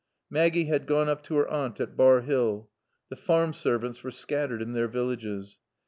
Maggie had gone up to her aunt at Bar Hill. The farm servants were scattered in their villages.